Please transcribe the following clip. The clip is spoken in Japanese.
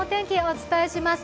お伝えします。